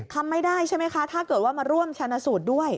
ทำไม่ได้ใช่ไหมคะถ้าเกิดว่ามาร่วมชนะสูตรด้วย